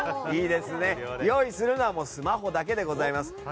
用意するのはスマホだけでございます。